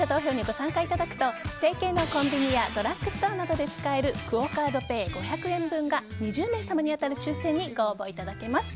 視聴者投票にご参加いただくと提携のコンビニやドラッグストアなどで使えるクオ・カードペイ５００円分が２０名様に当たる抽選にご応募いただけます。